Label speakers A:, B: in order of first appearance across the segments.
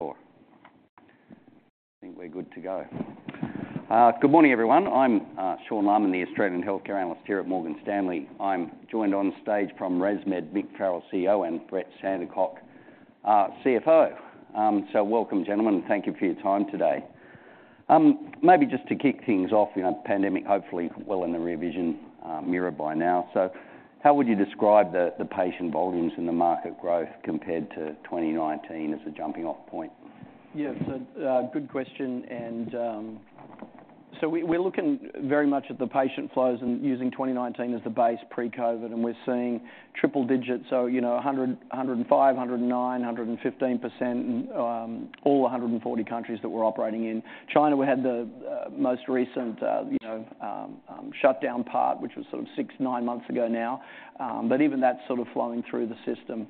A: I think we're good to go. Good morning, everyone. I'm Sean Laaman, the Australian healthcare analyst here at Morgan Stanley. I'm joined on stage from ResMed, Mick Farrell, CEO, and Brett Sandercock, CFO. So welcome, gentlemen, thank you for your time today. Maybe just to kick things off, you know, pandemic hopefully well in the rear vision mirror by now. So how would you describe the patient volumes and the market growth compared to 2019 as a jumping off point?
B: Yeah, so, good question, and, so we, we're looking very much at the patient flows and using 2019 as the base pre-COVID, and we're seeing triple digits. So, you know, 100, 105, 109, 115%, all the 140 countries that we're operating in. China, we had the, most recent, you know, shutdown part, which was sort of 6-9 months ago now. But even that's sort of flowing through the system.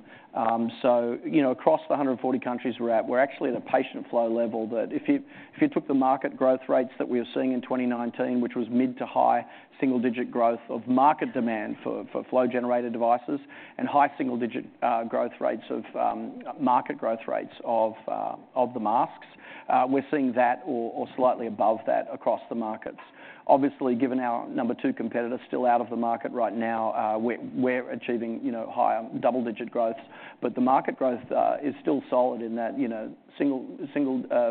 B: So you know, across the 140 countries we're at, we're actually at a patient flow level that if you took the market growth rates that we were seeing in 2019, which was mid-to-high single digit growth of market demand for flow generator devices and high-single-digit growth rates of market growth rates of the masks, we're seeing that or slightly above that across the markets. Obviously, given our number two competitor still out of the market right now, we're achieving, you know, higher double-digit growth. But the market growth is still solid in that, you know, single,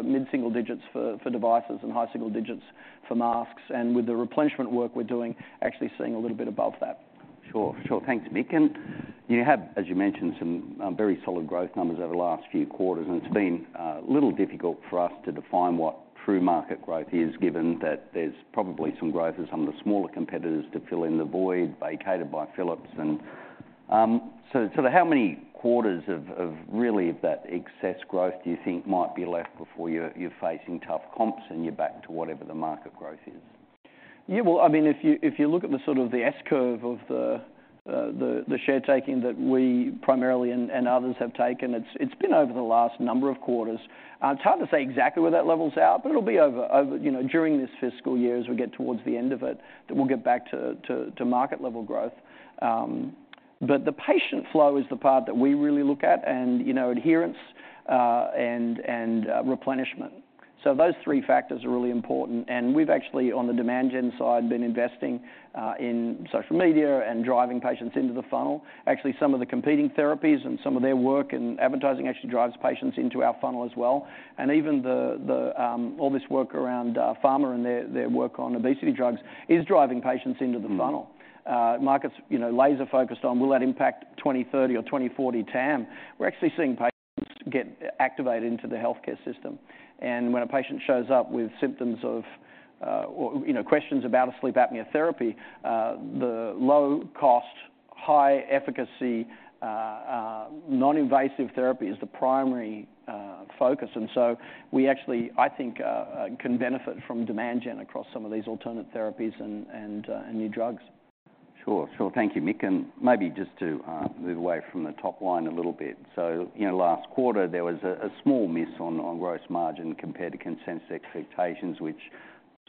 B: mid-single digits for devices and high-single digits for masks, and with the replenishment work we're doing, actually seeing a little bit above that.
A: Sure, sure. Thanks, Mick. And you had, as you mentioned, some very solid growth numbers over the last few quarters, and it's been a little difficult for us to define what true market growth is, given that there's probably some growth in some of the smaller competitors to fill in the void vacated by Philips. And, so, sort of how many quarters of really that excess growth do you think might be left before you're facing tough comps and you're back to whatever the market growth is?
B: Yeah, well, I mean, if you, if you look at the sort of the S-curve of the share taking that we primarily and others have taken, it's been over the last number of quarters. It's hard to say exactly where that level's at, but it'll be over, you know, during this fiscal year, as we get towards the end of it, that we'll get back to market level growth. But the patient flow is the part that we really look at and, you know, adherence and replenishment. So those three factors are really important. And we've actually, on the demand gen side, been investing in social media and driving patients into the funnel. Actually, some of the competing therapies and some of their work in advertising actually drives patients into our funnel as well. And even the all this work around pharma and their work on obesity drugs is driving patients into the funnel.
A: Mm.
B: Markets, you know, laser-focused on will that impact 2030 or 2040 TAM? We're actually seeing patients get activated into the healthcare system. And when a patient shows up with symptoms of, or, you know, questions about a sleep apnea therapy, the low cost, high efficacy, non-invasive therapy is the primary focus. And so we actually, I think, can benefit from demand gen across some of these alternate therapies and new drugs.
A: Sure, sure. Thank you, Mick. And maybe just to move away from the top line a little bit. So, you know, last quarter, there was a small miss on gross margin compared to consensus expectations, which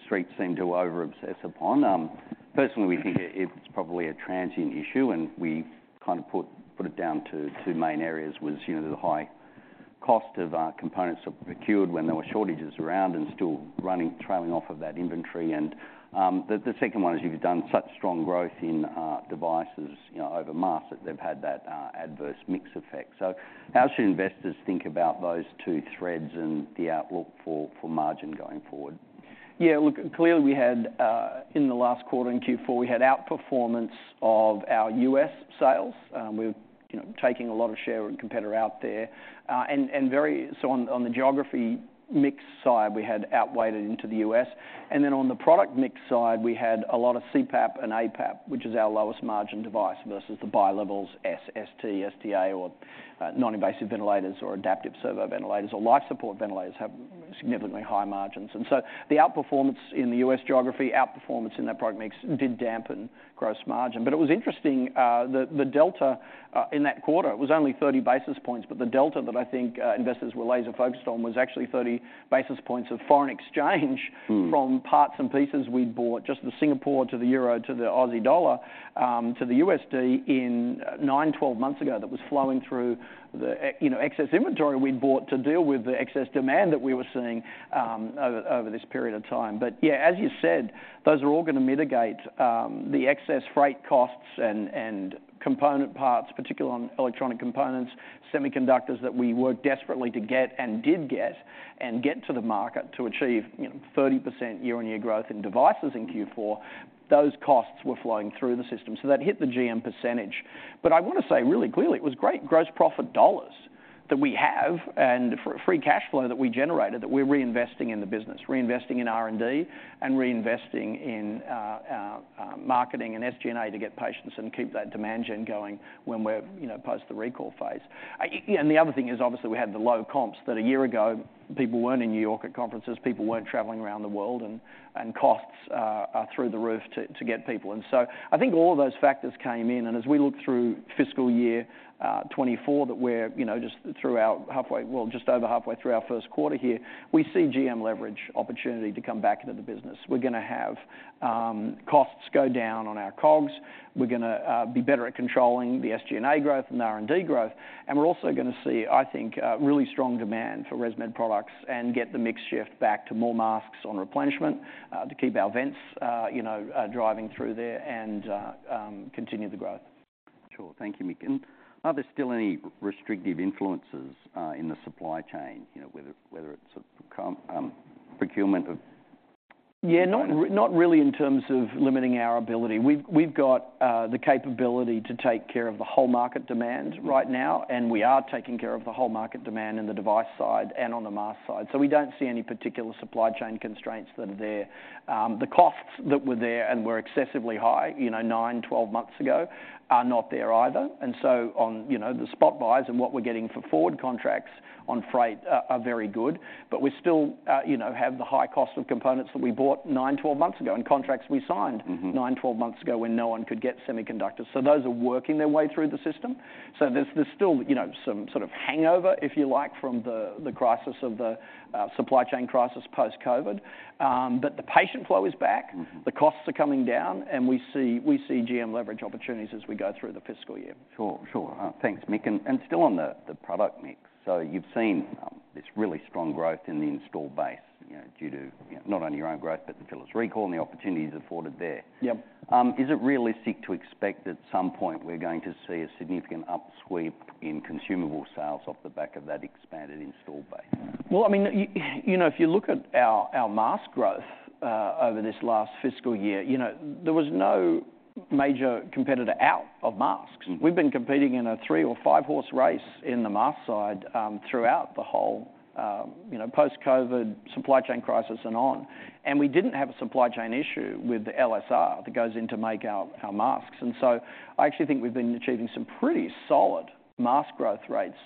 A: streets seem to over-obsess upon. Personally, we think it's probably a transient issue, and we kind of put it down to two main areas, you know, the high cost of components procured when there were shortages around and still running, trailing off of that inventory. And the second one is you've done such strong growth in devices, you know, over masks that they've had that adverse mix effect. So how should investors think about those two threads and the outlook for margin going forward?
B: Yeah, look, clearly, we had in the last quarter, in Q4, we had outperformance of our U.S. sales. We were, you know, taking a lot of share and competitor out there. So on, on the geography mix side, we had outweighed it into the U.S. And then on the product mix side, we had a lot of CPAP and APAP, which is our lowest margin device, versus the bilevels S, ST, ST-A or non-invasive ventilators or adaptive servo ventilators or life support ventilators have significantly high margins. And so the outperformance in the U.S. geography, outperformance in that product mix did dampen gross margin. But it was interesting, the, the delta in that quarter was only 30 basis points, but the delta that I think investors were laser-focused on was actually 30 basis points of foreign exchange-
A: Mm.
B: From parts and pieces we'd bought, just the Singapore dollar to the euro, to the Aussie dollar, to the U.S. dollar in 9-12 months ago. That was flowing through the excess, you know, excess inventory we'd bought to deal with the excess demand that we were seeing over this period of time. But yeah, as you said, those are all gonna mitigate the excess freight costs and component parts, particularly on electronic components, semiconductors that we worked desperately to get and did get, and get to the market to achieve, you know, 30% year-on-year growth in devices in Q4. Those costs were flowing through the system, so that hit the GM percentage. But I want to say really clearly, it was great gross profit dollars that we have and for free cash flow that we generated, that we're reinvesting in the business, reinvesting in R&D, and reinvesting in marketing and SG&A to get patients and keep that demand gen going when we're, you know, post the recall phase. And the other thing is, obviously, we had the low comps that a year ago, people weren't in New York at conferences, people weren't traveling around the world, and costs are through the roof to get people. And so I think all of those factors came in. And as we look through fiscal year 2024, that we're, you know, just over halfway through our first quarter here, we see GM leverage opportunity to come back into the business. We're gonna have costs go down on our COGS. We're gonna be better at controlling the SG&A growth and R&D growth. We're also gonna see, I think, really strong demand for ResMed products and get the mix shift back to more masks on replenishment to keep our vents, you know, driving through there and continue the growth....
A: Sure. Thank you, Mick. And are there still any restrictive influences in the supply chain? You know, whether it's a procurement of-
B: Yeah, not really in terms of limiting our ability. We've got the capability to take care of the whole market demand right now, and we are taking care of the whole market demand on the device side and on the mask side. So we don't see any particular supply chain constraints that are there. The costs that were there and were excessively high, you know, nine, 12 months ago, are not there either. And so on, you know, the spot buys and what we're getting for forward contracts on freight are very good, but we still, you know, have the high cost of components that we bought nine, 12 months ago, and contracts we signed-
A: Mm-hmm...
B: 9-12 months ago when no one could get semiconductors. So those are working their way through the system. So there's still, you know, some sort of hangover, if you like, from the crisis of the supply chain crisis post-COVID. But the patient flow is back-
A: Mm-hmm
B: the costs are coming down, and we see, we see GM leverage opportunities as we go through the fiscal year.
A: Sure. Sure. Thanks, Mick. And still on the product mix, so you've seen this really strong growth in the installed base, you know, due to, you know, not only your own growth, but the Philips recall and the opportunities afforded there.
B: Yep.
A: Is it realistic to expect at some point we're going to see a significant upsweep in consumable sales off the back of that expanded installed base?
B: Well, I mean, you know, if you look at our, our mask growth, over this last fiscal year, you know, there was no major competitor out of masks.
A: Mm-hmm.
B: We've been competing in a three or five-horse race in the mask side, throughout the whole, you know, post-COVID supply chain crisis and on, and we didn't have a supply chain issue with the LSR that goes in to make our, our masks. And so I actually think we've been achieving some pretty solid mask growth rates,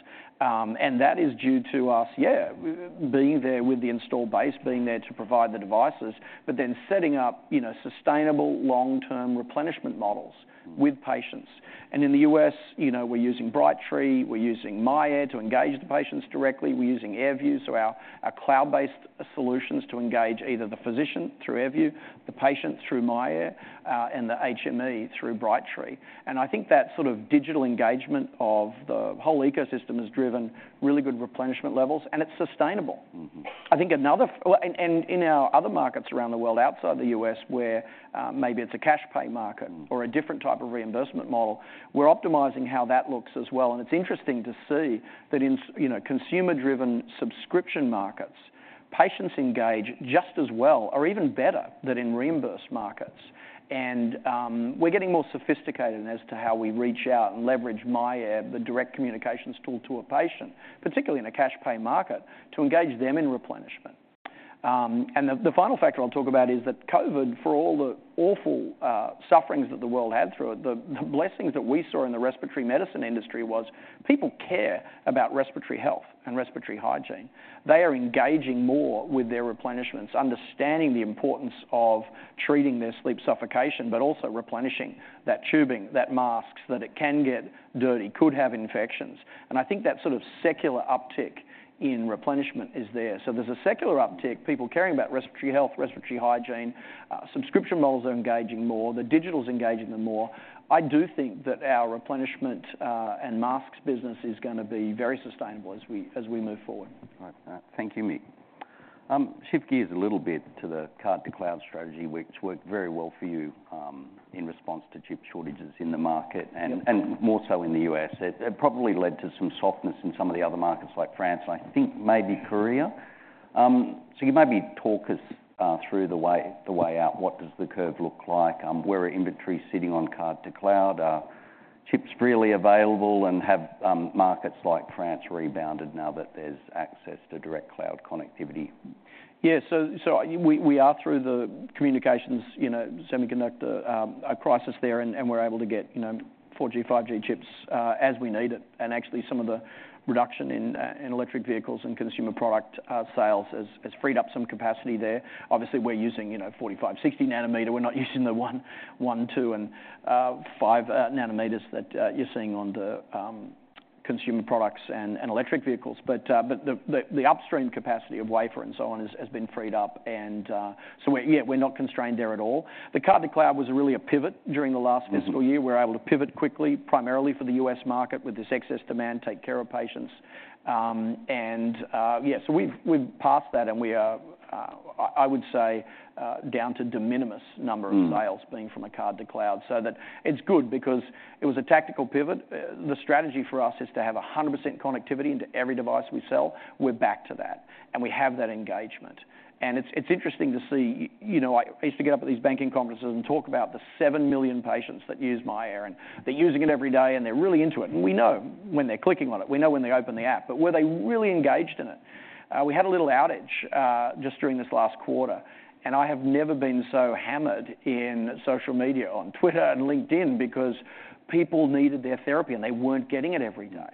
B: and that is due to us, yeah, being there with the installed base, being there to provide the devices, but then setting up, you know, sustainable long-term replenishment models with patients. And in the U.S., you know, we're using Brightree, we're using myAir to engage the patients directly, we're using AirView, so our, our cloud-based solutions to engage either the physician through AirView, the patient through myAir, and the HME through Brightree. I think that sort of digital engagement of the whole ecosystem has driven really good replenishment levels, and it's sustainable.
A: Mm-hmm.
B: I think another... Well, and, and in our other markets around the world, outside the U.S., where, maybe it's a cash pay market-
A: Mm
B: or a different type of reimbursement model, we're optimizing how that looks as well, and it's interesting to see that in you know, consumer-driven subscription markets, patients engage just as well or even better than in reimbursed markets. And, we're getting more sophisticated as to how we reach out and leverage myAir, the direct communications tool, to a patient, particularly in a cash pay market, to engage them in replenishment. And the final factor I'll talk about is that COVID, for all the awful sufferings that the world had through it, the blessings that we saw in the respiratory medicine industry was people care about respiratory health and respiratory hygiene. They are engaging more with their replenishments, understanding the importance of treating their sleep suffocation, but also replenishing that tubing, that mask, that it can get dirty, could have infections, and I think that sort of secular uptick in replenishment is there. So there's a secular uptick, people caring about respiratory health, respiratory hygiene, subscription models are engaging more, the digital's engaging them more. I do think that our replenishment and masks business is gonna be very sustainable as we, as we move forward.
A: All right. Thank you, Mick. Shift gears a little bit to the Card-to-Cloud strategy, which worked very well for you, in response to chip shortages in the market.
B: Yep
A: and more so in the U.S. It probably led to some softness in some of the other markets like France, and I think maybe Korea. So you maybe talk us through the way out, what does the curve look like? Where are inventory sitting on Card-to-Cloud? Are chips freely available and have markets like France rebounded now that there's access to direct cloud connectivity?
B: Yeah, so we are through the communications, you know, semiconductor crisis there, and we're able to get, you know, 4G, 5G chips, as we need it. And actually, some of the reduction in electric vehicles and consumer product sales has freed up some capacity there. Obviously, we're using, you know, 45, 60 nanometer. We're not using the 1, 1, 2, and 5 nanometers that you're seeing on the consumer products and electric vehicles. But the upstream capacity of wafer and so on has been freed up, and so we're... Yeah, we're not constrained there at all. The Card-to-Cloud was really a pivot during the last fiscal year.
A: Mm-hmm.
B: We were able to pivot quickly, primarily for the U.S. market, with this excess demand, take care of patients. We've passed that, and we are, I would say, down to de minimis number of sales-
A: Mm
B: being from a Card-to-Cloud. So that it's good because it was a tactical pivot. The strategy for us is to have 100% connectivity into every device we sell. We're back to that, and we have that engagement, and it's interesting to see. You know, I used to get up at these banking conferences and talk about the 7 million patients that use myAir, and they're using it every day, and they're really into it. We know when they're clicking on it. We know when they open the app, but were they really engaged in it? We had a little outage just during this last quarter, and I have never been so hammered in social media, on Twitter and LinkedIn, because people needed their therapy, and they weren't getting it every day.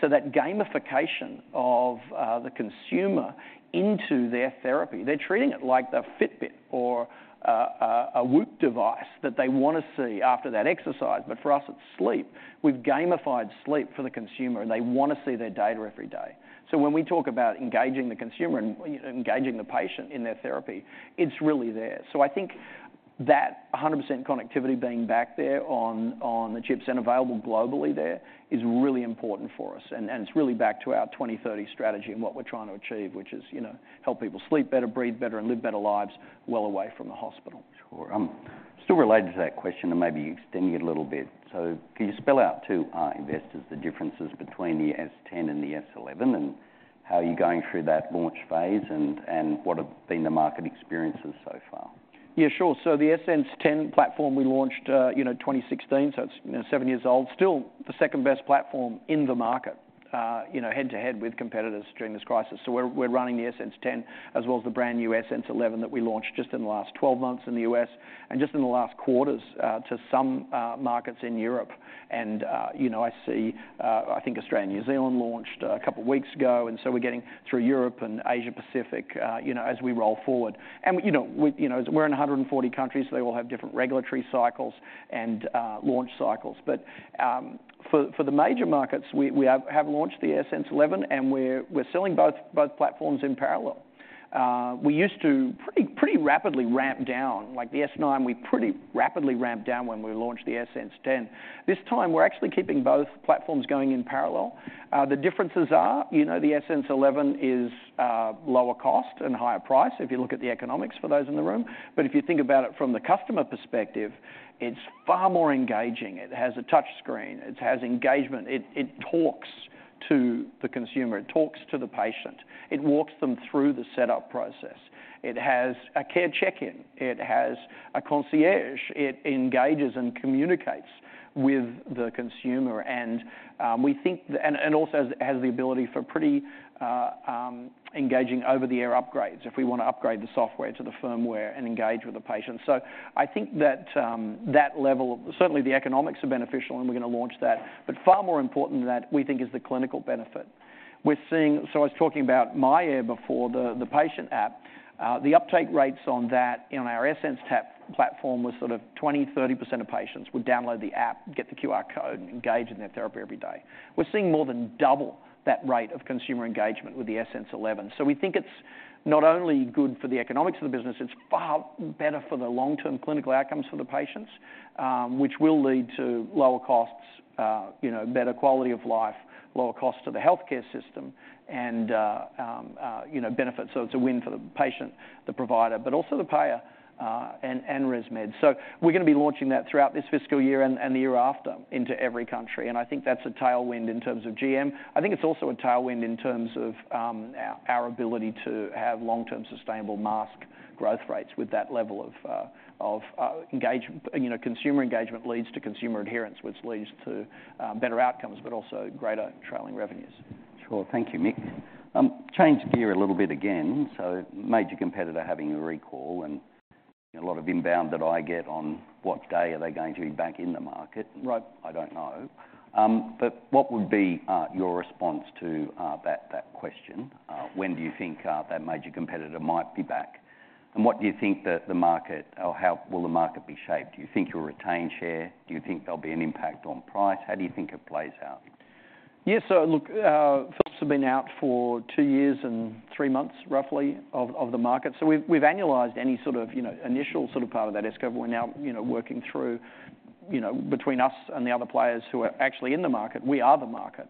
B: So that gamification of the consumer into their therapy, they're treating it like a Fitbit or a WHOOP device that they wanna see after that exercise. But for us, it's sleep. We've gamified sleep for the consumer, and they wanna see their data every day. So when we talk about engaging the consumer and, you know, engaging the patient in their therapy, it's really there. So I think that 100% connectivity being back there on the chips and available globally there is really important for us, and it's really back to our 2030 strategy and what we're trying to achieve, which is, you know, help people sleep better, breathe better, and live better lives well away from the hospital.
A: Sure, still related to that question and maybe extending it a little bit. Can you spell out to our investors the differences between the S10 and the S11, and how are you going through that launch phase and what have been the market experiences so far?
B: Yeah, sure. So the AirSense 10 platform we launched, you know, 2016, so it's, you know, 7 years old. Still the second-best platform in the market, you know, head-to-head with competitors during this crisis. So we're, we're running the AirSense 10 as well as the brand-new AirSense 11 that we launched just in the last 12 months in the U.S., and just in the last quarters, to some markets in Europe. And, you know, I see, I think Australia and New Zealand launched a couple of weeks ago, and so we're getting through Europe and Asia Pacific, you know, as we roll forward. And, you know, we, you know, we're in 140 countries, so they all have different regulatory cycles and, launch cycles. But for the major markets, we have launched the AirSense 11, and we're selling both platforms in parallel. We used to pretty rapidly ramp down, like the S9; we pretty rapidly ramped down when we launched the AirSense 10. This time, we're actually keeping both platforms going in parallel. The differences are, you know, the AirSense 11 is lower cost and higher price if you look at the economics for those in the room. But if you think about it from the customer perspective, it's far more engaging. It has a touch screen, it has engagement, it talks to the consumer, it talks to the patient, it walks them through the setup process. It has a Care Check-In, it has a concierge, it engages and communicates with the consumer. We think and also has the ability for pretty engaging over-the-air upgrades if we want to upgrade the software to the firmware and engage with the patient. So I think that level, certainly the economics are beneficial, and we're going to launch that. But far more important than that, we think, is the clinical benefit. We're seeing. So I was talking about myAir before, the patient app. The uptake rates on that in our AirSense 10 platform was sort of 20%-30% of patients would download the app, get the QR code, and engage in their therapy every day. We're seeing more than double that rate of consumer engagement with the AirSense 11. So we think it's not only good for the economics of the business, it's far better for the long-term clinical outcomes for the patients, which will lead to lower costs, you know, better quality of life, lower cost to the healthcare system, and, you know, benefits. So it's a win for the patient, the provider, but also the payer, and, and ResMed. So we're going to be launching that throughout this fiscal year and, and the year after into every country, and I think that's a tailwind in terms of GM. I think it's also a tailwind in terms of, our, our ability to have long-term, sustainable mask growth rates with that level of, of, you know, consumer engagement leads to consumer adherence, which leads to, better outcomes, but also greater trailing revenues.
A: Sure. Thank you, Mick. Change gear a little bit again. So major competitor having a recall and a lot of inbound that I get on, what day are they going to be back in the market?
B: Right.
A: I don't know. But what would be your response to that question? When do you think that major competitor might be back? And what do you think the market or how will the market be shaped? Do you think you'll retain share? Do you think there'll be an impact on price? How do you think it plays out?
B: Yeah. So look, Philips have been out for 2 years and 3 months, roughly, of, of the market. So we've, we've annualized any sort of, you know, initial sort of part of that S-curve. We're now, you know, working through, you know, between us and the other players who are actually in the market, we are the market.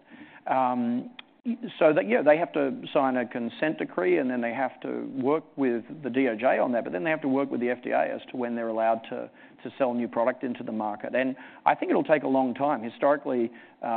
B: So that, yeah, they have to sign a consent decree, and then they have to work with the DOJ on that, but then they have to work with the FDA as to when they're allowed to, to sell new product into the market. And I think it'll take a long time. Historically,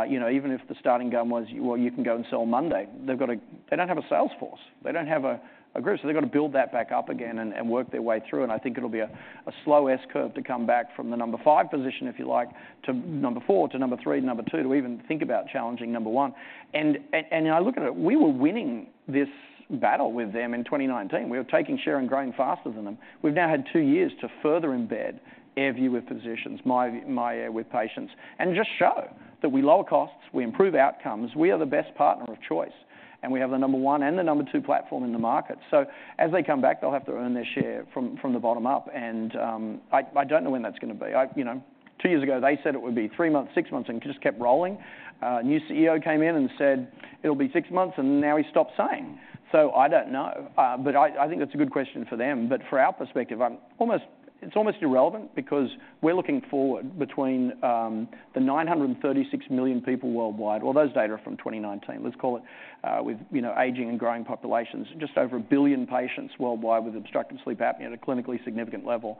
B: you know, even if the starting gun was, well, you can go and sell on Monday, they've got to, they don't have a sales force, they don't have a, a group, so they've got to build that back up again and, and work their way through, and I think it'll be a, a slow S-curve to come back from the number 5 position, if you like, to number 4, to number 3, to number 2, to even think about challenging number 1. And, and, and I look at it, we were winning this battle with them in 2019. We were taking share and growing faster than them. We've now had two years to further embed AirView with physicians, myView, myAir with patients, and just show that we lower costs, we improve outcomes, we are the best partner of choice, and we have the number one and the number two platform in the market. So as they come back, they'll have to earn their share from the bottom up, and I don't know when that's going to be. You know, two years ago, they said it would be three months, six months, and it just kept rolling. A new CEO came in and said, "It'll be six months," and now he's stopped saying. So I don't know, but I think that's a good question for them. But for our perspective, I'm almost—it's almost irrelevant because we're looking forward between the 936 million people worldwide. Well, those data are from 2019. Let's call it, with, you know, aging and growing populations, just over 1 billion patients worldwide with obstructive sleep apnea at a clinically significant level.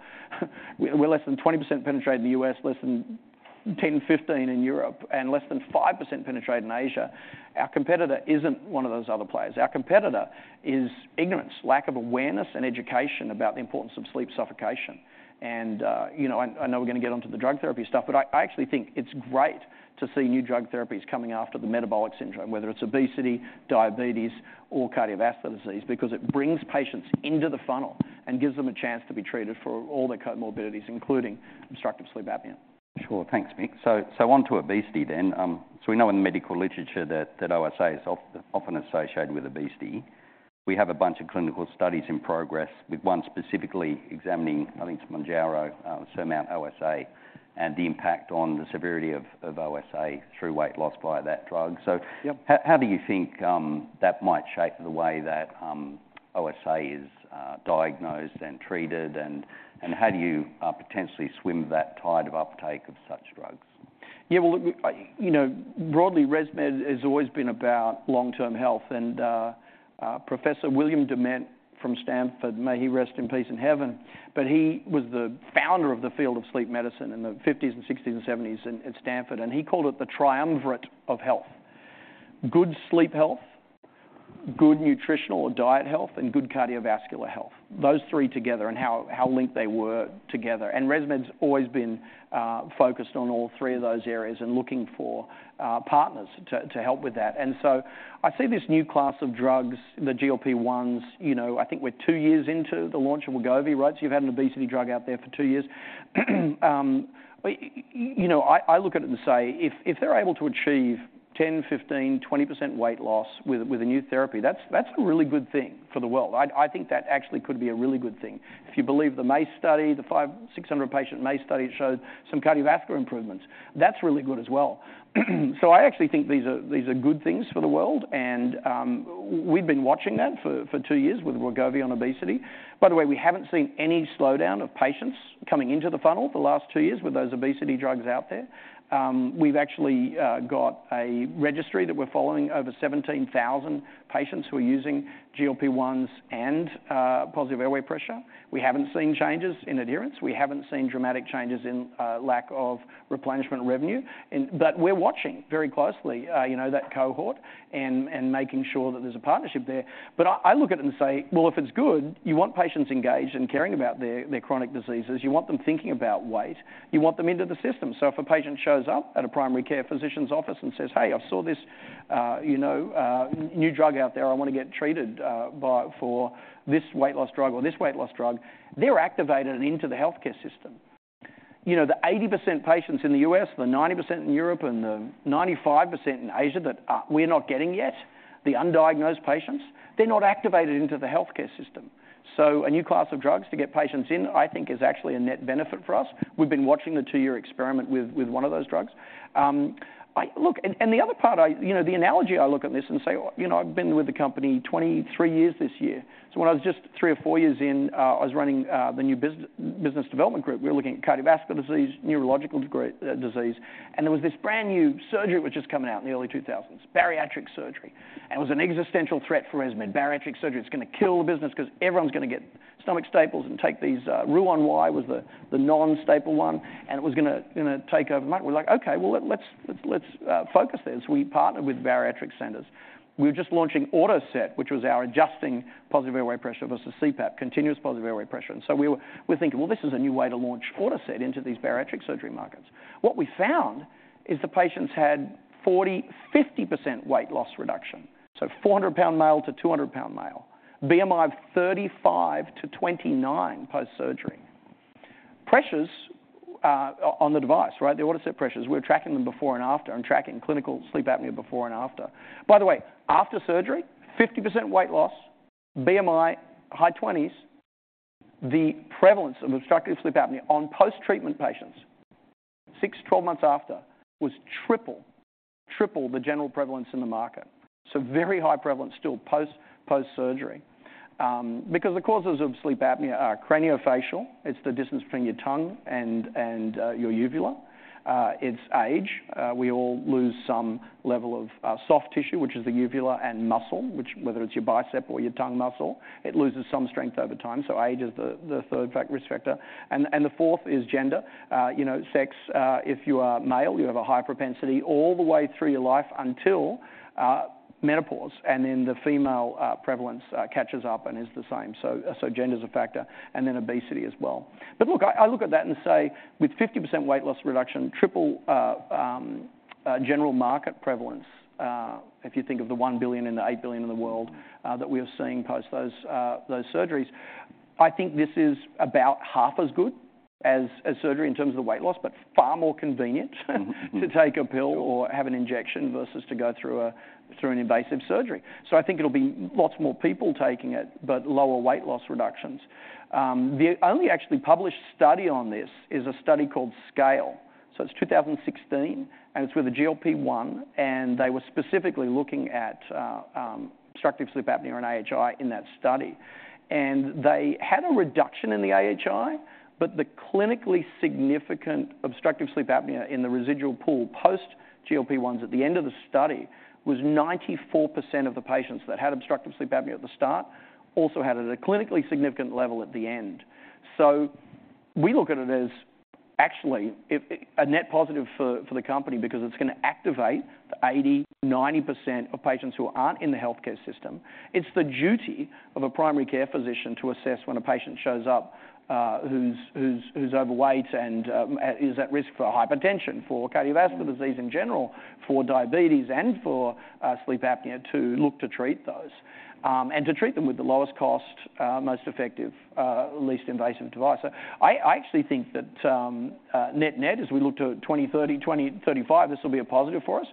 B: We're less than 20% penetrated in the U.S., less than 10-15% in Europe, and less than 5% penetrated in Asia. Our competitor isn't one of those other players. Our competitor is ignorance, lack of awareness and education about the importance of sleep suffocation. And, you know, I know we're going to get onto the drug therapy stuff, but I actually think it's great to see new drug therapies coming after the metabolic syndrome, whether it's obesity, diabetes, or cardiovascular disease, because it brings patients into the funnel and gives them a chance to be treated for all their comorbidities, including obstructive sleep apnea.
A: Sure. Thanks, Mick. So, on to obesity then. So we know in the medical literature that OSA is often associated with obesity. We have a bunch of clinical studies in progress, with one specifically examining, I think, it's Mounjaro, SURMOUNT-OSA, and the impact on the severity of OSA through weight loss via that drug.
B: Yep.
A: So how do you think that might shape the way that OSA is diagnosed and treated, and how do you potentially swim that tide of uptake of such drugs?
B: Yeah, well, look, we, I, you know, broadly, ResMed has always been about long-term health, and Professor William Dement from Stanford, may he rest in peace in heaven, but he was the founder of the field of sleep medicine in the 1950s and 1960s and 1970s at Stanford, and he called it the triumvirate of health. Good sleep health, good nutritional or diet health, and good cardiovascular health. Those three together and how linked they were together. And ResMed's always been focused on all three of those areas and looking for partners to help with that. And so I see this new class of drugs, the GLP-1s. You know, I think we're two years into the launch of Wegovy, right? So you've had an obesity drug out there for two years. But you know, I look at it and say, if they're able to achieve 10, 15, 20% weight loss with a new therapy, that's a really good thing for the world. I think that actually could be a really good thing. If you believe the MACE study, the 500-600 patient MACE study showed some cardiovascular improvements. That's really good as well. So I actually think these are good things for the world, and we've been watching that for two years with Wegovy on obesity. By the way, we haven't seen any slowdown of patients coming into the funnel the last two years with those obesity drugs out there. We've actually got a registry that we're following over 17,000 patients who are using GLP-1s and positive airway pressure. We haven't seen changes in adherence. We haven't seen dramatic changes in, lack of replenishment revenue, and... But we're watching very closely, you know, that cohort and, making sure that there's a partnership there. But I, look at it and say, "Well, if it's good, you want patients engaged and caring about their, chronic diseases. You want them thinking about weight. You want them into the system." So if a patient shows up at a primary care physician's office and says, "Hey, I saw this, you know, new drug out there, I want to get treated, for this weight loss drug or this weight loss drug," they're activated and into the healthcare system. You know, the 80% patients in the U.S., the 90% in Europe, and the 95% in Asia that we're not getting yet, the undiagnosed patients, they're not activated into the healthcare system. So a new class of drugs to get patients in, I think, is actually a net benefit for us. We've been watching the 2-year experiment with one of those drugs. Look, you know, the analogy, I look at this and say, "Well, you know, I've been with the company 23 years this year." So when I was just 3 or 4 years in, I was running the new business development group. We were looking at cardiovascular disease, neurological disease, and there was this brand-new surgery which was just coming out in the early 2000s, bariatric surgery. It was an existential threat for ResMed. Bariatric surgery, it's gonna kill the business 'cause everyone's gonna get stomach staples and take these, Roux-en-Y was the non-staple one, and it was gonna take over. We're like: Okay, well, let's focus this. We partnered with bariatric centers. We were just launching AutoSet, which was our adjusting positive airway pressure versus CPAP, continuous positive airway pressure. We were, we're thinking, Well, this is a new way to launch AutoSet into these bariatric surgery markets. What we found is the patients had 40%-50% weight loss reduction, so 400-pound male to 200-pound male, BMI of 35 to 29 post-surgery. Pressures on the device, right, the AutoSet pressures, we were tracking them before and after and tracking clinical sleep apnea before and after. By the way, after surgery, 50% weight loss, BMI high twenties. The prevalence of obstructive sleep apnea on post-treatment patients 6-12 months after was triple, triple the general prevalence in the market. So very high prevalence still post-surgery. Because the causes of sleep apnea are craniofacial. It's the distance between your tongue and your uvula. It's age. We all lose some level of soft tissue, which is the uvula and muscle, which whether it's your bicep or your tongue muscle, it loses some strength over time. So age is the third risk factor. And the fourth is gender. You know, sex, if you are male, you have a high propensity all the way through your life until menopause, and then the female prevalence catches up and is the same. So, gender is a factor and then obesity as well. But look, I look at that and say, with 50% weight loss reduction, triple, general market prevalence, if you think of the 1 billion and the 8 billion in the world, that we are seeing post those, those surgeries, I think this is about half as good as surgery in terms of the weight loss, but far more convenient-
A: Mm-hmm, mm-hmm.
B: to take a pill or have an injection versus to go through an invasive surgery. So I think it'll be lots more people taking it, but lower weight loss reductions. The only actually published study on this is a study called SCALE. So it's 2016, and it's with a GLP-1, and they were specifically looking at obstructive sleep apnea and AHI in that study. And they had a reduction in the AHI, but the clinically significant obstructive sleep apnea in the residual pool, post GLP-1s at the end of the study, was 94% of the patients that had obstructive sleep apnea at the start also had it at a clinically significant level at the end. So we look at it as actually a net positive for the company because it's gonna activate the 80%-90% of patients who aren't in the healthcare system. It's the duty of a primary care physician to assess when a patient shows up, who's overweight and is at risk for hypertension, for cardiovascular-
A: Mm-hmm.
B: disease in general, for diabetes and for sleep apnea, to look to treat those. And to treat them with the lowest cost, most effective, least invasive device. So I actually think that, net-net, as we look to 2030, 2035, this will be a positive for us.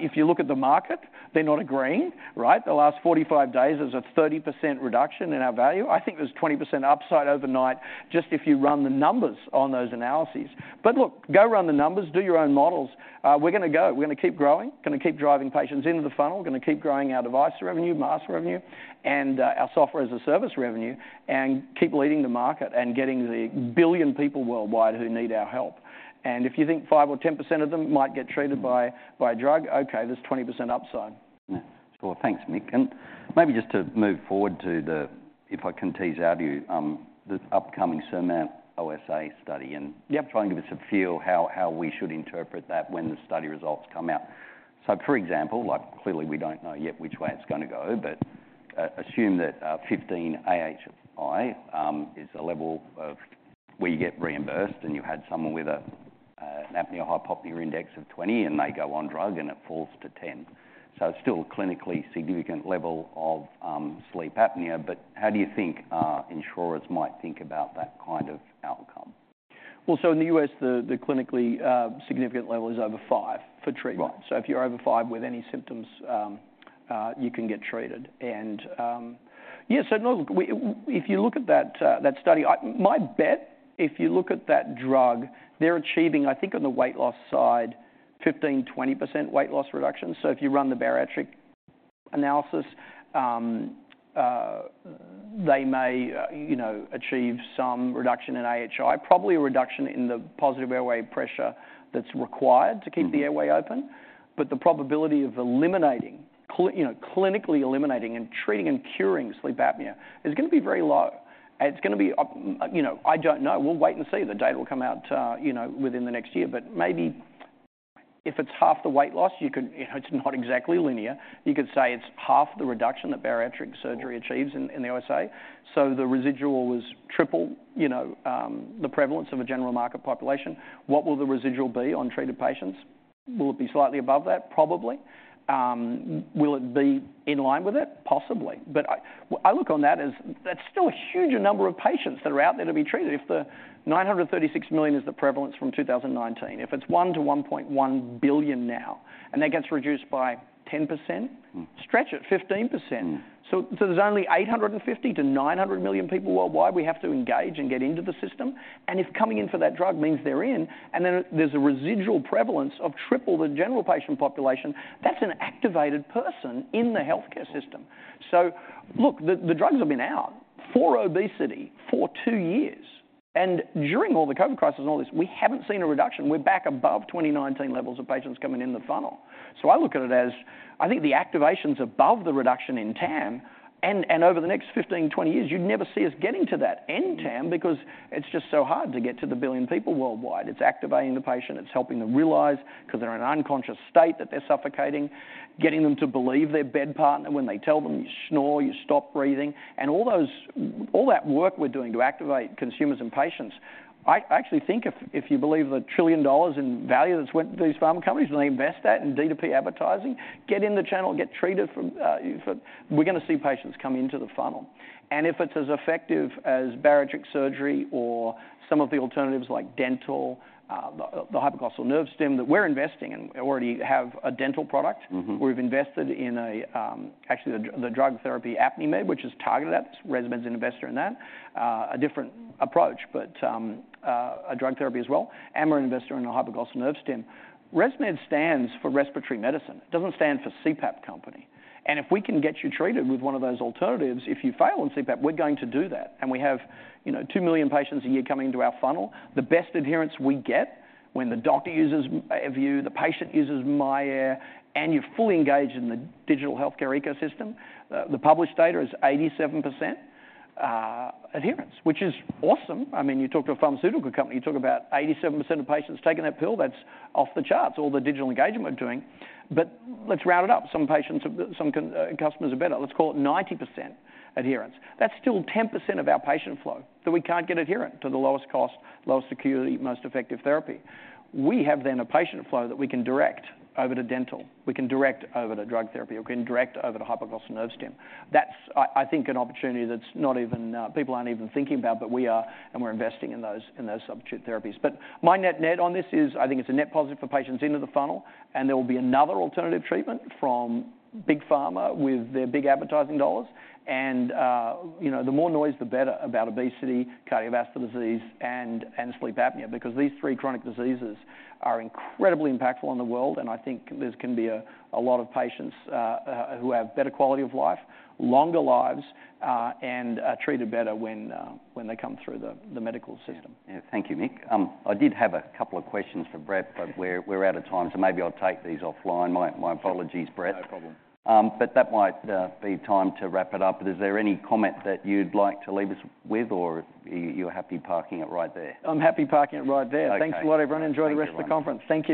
B: If you look at the market, they're not agreeing, right? The last 45 days, there's a 30% reduction in our value. I think there's 20% upside overnight, just if you run the numbers on those analyses. But look, go run the numbers, do your own models. We're gonna go. We're gonna keep growing, gonna keep driving patients into the funnel, gonna keep growing our device revenue, mask revenue, and our software as a service revenue, and keep leading the market and getting the 1 billion people worldwide who need our help. If you think 5% or 10% of them might get treated by a drug, okay, there's 20% upside.
A: Yeah. Well, thanks, Mick. Maybe just to move forward to the... if I can tease out of you the upcoming SURMOUNT-OSA study, and-
B: Yep
A: try and give us a feel how we should interpret that when the study results come out... So, for example, like, clearly, we don't know yet which way it's gonna go, but assume that 15 AHI is a level of where you get reimbursed, and you had someone with a apnea-hypopnea index of 20, and they go on drug, and it falls to 10. So it's still a clinically significant level of sleep apnea, but how do you think insurers might think about that kind of outcome?
B: Well, so in the U.S., the clinically significant level is over five for treatment.
A: Right.
B: So if you're over five with any symptoms, you can get treated. And, yeah, so no, if you look at that, that study, my bet, if you look at that drug, they're achieving, I think on the weight loss side, 15%-20% weight loss reduction. So if you run the bariatric analysis, they may, you know, achieve some reduction in AHI, probably a reduction in the positive airway pressure that's required-
A: Mm-hmm
B: to keep the airway open. But the probability of eliminating, you know, clinically eliminating and treating and curing sleep apnea is gonna be very low. And it's gonna be, you know... I don't know. We'll wait and see. The data will come out, you know, within the next year, but maybe if it's half the weight loss, you could, you know, it's not exactly linear. You could say it's half the reduction that bariatric surgery-
A: Sure
B: achieves in the USA, so the residual was triple, you know, the prevalence of a general market population. What will the residual be on treated patients? Will it be slightly above that? Probably. Will it be in line with it? Possibly. But I, well, I look on that as that's still a huge number of patients that are out there to be treated. If the 936 million is the prevalence from 2019, if it's 1 to 1.1 billion now, and that gets reduced by 10%-
A: Mm...
B: stretch it, 15%.
A: Mm.
B: So, so there's only 850-900 million people worldwide we have to engage and get into the system, and if coming in for that drug means they're in, and then there's a residual prevalence of triple the general patient population, that's an activated person in the healthcare system. So look, the, the drugs have been out for obesity for 2 years, and during all the COVID crisis and all this, we haven't seen a reduction. We're back above 2019 levels of patients coming in the funnel. So I look at it as, I think the activation's above the reduction in TAM, and, and over the next 15, 20 years, you'd never see us getting to that end TAM-
A: Mm
B: because it's just so hard to get to the 1 billion people worldwide. It's activating the patient. It's helping them realize, 'cause they're in an unconscious state, that they're suffocating, getting them to believe their bed partner when they tell them, "You snore, you stop breathing." And all those, all that work we're doing to activate consumers and patients, I actually think if you believe the $1 trillion in value that's went to these pharma companies, when they invest that in DTP advertising, get in the channel, get treated from, for... We're gonna see patients come into the funnel. And if it's as effective as bariatric surgery or some of the alternatives like dental, the hypoglossal nerve stim that we're investing in, we already have a dental product.
A: Mm-hmm.
B: We've invested in actually, the drug therapy Apnimed, which is targeted at this. ResMed's an investor in that, a different approach, but, a drug therapy as well, and we're an investor in a hypoglossal nerve stim. ResMed stands for respiratory medicine. It doesn't stand for CPAP company, and if we can get you treated with one of those alternatives, if you fail on CPAP, we're going to do that. And we have, you know, 2 million patients a year coming into our funnel. The best adherence we get when the doctor uses AirView, the patient uses myAir, and you're fully engaged in the digital healthcare ecosystem. The published data is 87% adherence, which is awesome. I mean, you talk to a pharmaceutical company, you talk about 87% of patients taking that pill, that's off the charts, all the digital engagement we're doing. But let's round it up. Some patients, some customers are better. Let's call it 90% adherence. That's still 10% of our patient flow, that we can't get adherent to the lowest cost, lowest security, most effective therapy. We have then a patient flow that we can direct over to dental, we can direct over to drug therapy, or we can direct over to hypoglossal nerve stim. That's, I, I think, an opportunity that's not even people aren't even thinking about, but we are, and we're investing in those, in those substitute therapies. My net-net on this is, I think it's a net positive for patients into the funnel, and there will be another alternative treatment from Big Pharma with their big advertising dollars. You know, the more noise, the better about obesity, cardiovascular disease, and sleep apnea because these three chronic diseases are incredibly impactful on the world, and I think this can be a lot of patients who have better quality of life, longer lives, and treated better when they come through the medical system.
A: Yeah. Thank you, Mick. I did have a couple of questions for Brett, but we're out of time, so maybe I'll take these offline. My apologies, Brett. No problem. But that might be time to wrap it up. But is there any comment that you'd like to leave us with, or you're happy parking it right there?
B: I'm happy parking it right there.
A: Okay.
B: Thanks a lot, everyone.
A: Thanks.
B: Enjoy the rest of the conference. Thank you.